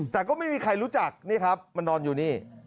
แต่ก็ไม่มีใครรู้จักนี่ครับมันนอนอยู่นี่